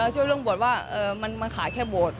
ช่วงเรื่องโบสถ์ว่ามันขายแค่โบสถ์